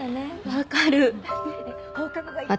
分かる。